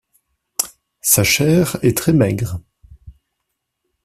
Sa chair est très maigre.